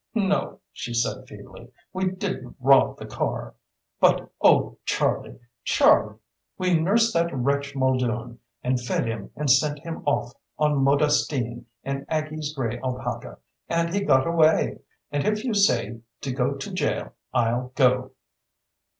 "No," she said feebly, "we didn't rob the car. But oh, Charlie, Charlie! We nursed that wretch Muldoon, and fed him and sent him off on Modestine in Aggie's gray alpaca, and he got away; and if you say to go to jail I'll go."